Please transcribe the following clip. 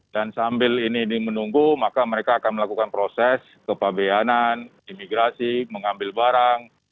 dan sambil ini dimenunggu maka mereka akan melakukan proses ke pabnan imigrasi mengambil barang